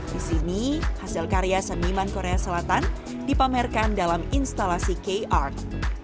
di sini hasil karya seniman korea selatan dipamerkan dalam instalasi k art